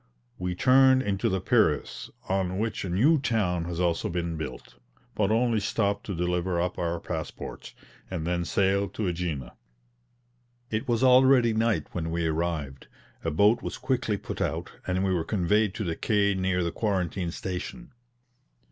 We turned into the Piraeus, on which a new town has also been built, but only stopped to deliver up our passports, and then sailed to AEgina. It was already night when we arrived; a boat was quickly put out, and we were conveyed to the quay near the quarantine station.